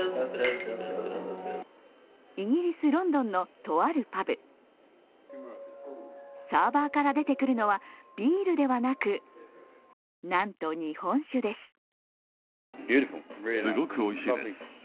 イギリス・ロンドンのとあるパブサーバーから出てくるのはビールではなく、なんと日本酒です。